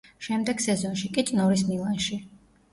შემდეგ სეზონში კი წნორის „მილანში“.